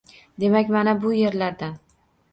Demak, mana bu yerlardan